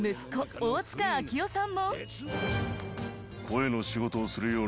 大塚明夫さんも。